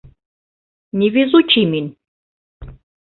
Невезучий мин!